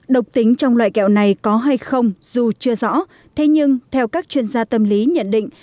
độc tính trong loại kẹo này có hay không dù chưa rõ thế nhưng theo các chuyên gia tâm lý nhận định